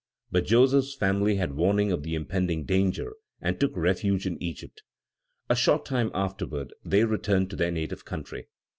But Joseph's family had warning of the impending danger, and took refuge in Egypt. A short time afterward, they returned to their native country.